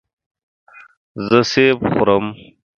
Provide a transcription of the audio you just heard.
زه سیب خورم.